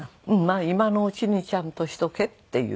今のうちにちゃんとしとけっていう事でしょう。